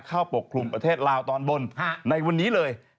ปกคลุมประเทศลาวตอนบนในวันนี้เลย